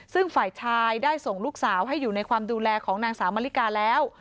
ซึ่งฝ่ายชายได้ส่งลูกสาวให้อยู่ในความดูแลของนางสาวมะลิกาแล้ว